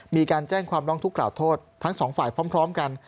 มีการแจ้งความร้องทุกขล่าโทษทั้งสองฝ่ายพร้อมกัน